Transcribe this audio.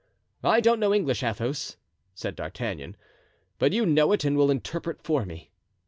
"I don't know English, Athos," said D'Artagnan; "but you know it and will interpret for me."